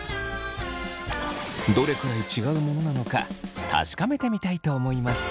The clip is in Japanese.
どれくらい違うものなのか確かめてみたいと思います。